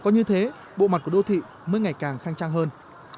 có như thế bộ mặt của đô thị mới ngày càng khang trang hơn